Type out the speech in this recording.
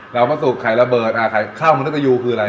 ดาวพะสุกไข่ระเบิดข้าวมรุตตะยูคืออะไร